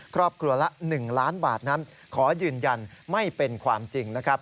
ครอบครัวละ๑ล้านบาทนั้นขอยืนยันไม่เป็นความจริงนะครับ